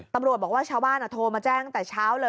ตำรวจบอกว่าชาวบ้านโทรมาแจ้งตั้งแต่เช้าเลย